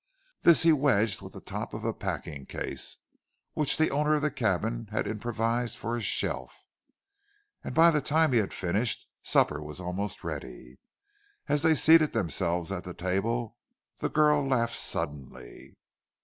This he wedged with the top of a packing case, which the owner of the cabin had improvised for a shelf, and by the time he had finished, supper was almost ready. As they seated themselves at the table, the girl laughed suddenly.